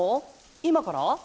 今から？